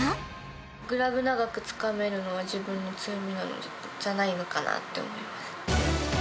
グラブ長くつかめるのが自分の強みじゃないのかなって思います。